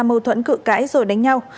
mâu thuẫn cự cãi rồi đánh nhau